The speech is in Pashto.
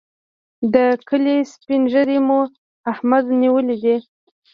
د کلي سپين ږيری مو احمد نیولی دی.